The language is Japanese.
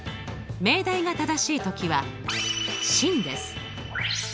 命題が正しい時は真です。